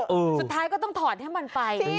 สุดท้ายก็ต้องถอดให้มันไป